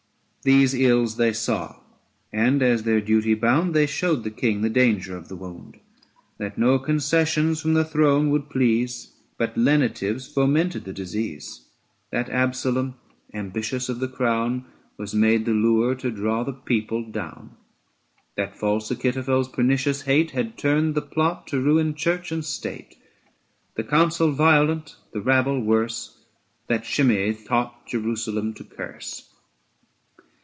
These ills they saw, and, as their duty bound, They showed the King the danger of the wound; That no concessions from the throne would please, 925 But lenitives fomented the disease ; That Absalom, ambitious of the crown, Was made the lure to draw the people down ; That false Achitophel's pernicious hate Had turned the plot to ruin Church and State ; 930 ABSALOM AND ACHITOPHEL. 113 The council violent, the rabble worse; That Shimei taught Jerusalem to curse.